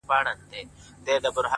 زه زما او ستا و دښمنانو ته;